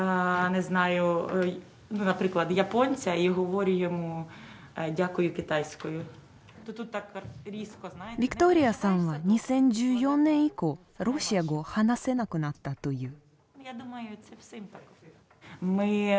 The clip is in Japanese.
ヴィクトリアさんは２０１４年以降ロシア語を話せなくなったという。